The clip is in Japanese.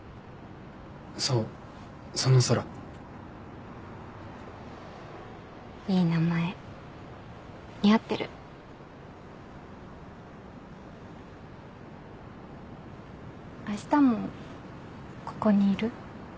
そうその空いい名前似合ってるあしたもここにいる？